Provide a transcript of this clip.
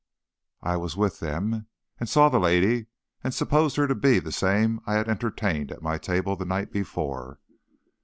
I was with them, and saw the lady, and supposed her to be the same I had entertained at my table the night before.